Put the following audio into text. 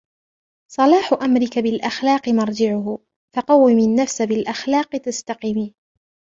صلاح أمرك بالأخلاق مرجعه ، فَقَوِّم النفس بالأخلاق تستقم.